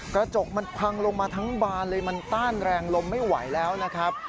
กระจกมันพังลงมาทั้งบานเลยมันต้านแรงลมไม่ไหวแล้วนะครับ